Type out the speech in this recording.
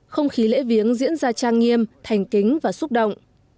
không khí lễ viếng diễn ra trang nghiêm thành kính và xúc động